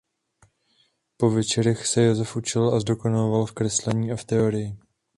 Po večerech se Josef učil a zdokonaloval v kreslení i v teorii.